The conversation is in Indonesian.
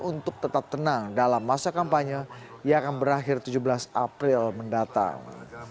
untuk tetap tenang dalam masa kampanye yang akan berakhir tujuh belas april mendatang